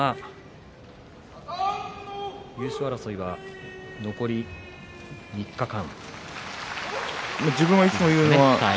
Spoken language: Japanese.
優勝争いは残り３日間。